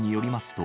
と